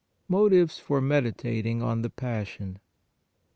MOTIVES FOR MEDITATING ON THE PASSION.